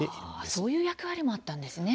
そういう役割もあったんですね。